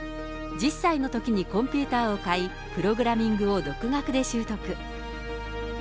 １０歳のときにコンピューターを買い、プログラミングを独学で習得。